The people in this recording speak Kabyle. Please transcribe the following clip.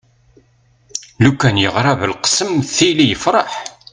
lukan yeɣra belqsem tili yefreḥ